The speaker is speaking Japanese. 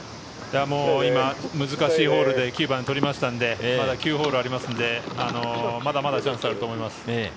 難しいホールで９番を取りましたので、まだ９ホールありますので、まだまだチャンスがあると思います。